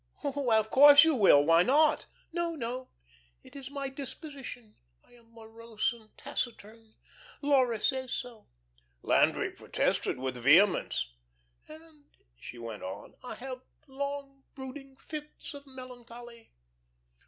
Why, of course you will. Why not?" "No, no. It is my disposition. I am morose and taciturn. Laura says so." Landry protested with vehemence. "And," she went on, "I have long, brooding fits of melancholy."